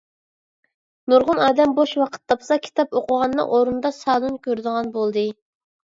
نۇرغۇن ئادەم بوش ۋاقىت تاپسا كىتاپ ئوقۇغاننىڭ ئورنىدا سالۇن كۆرىدىغان بولدى.